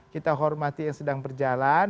kita hormati yang sedang berjalan